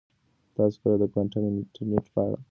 تاسو کله د کوانټم انټرنیټ په اړه څه نوي معلومات لوستي دي؟